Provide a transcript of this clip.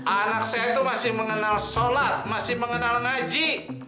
anak saya itu masih mengenal sholat masih mengenal ngaji